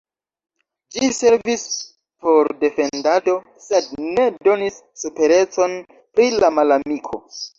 Ĝi servis por defendado, sed ne donis superecon pri la malamiko.